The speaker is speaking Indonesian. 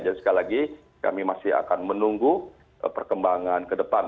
jadi sekali lagi kami masih akan menunggu perkembangan ke depan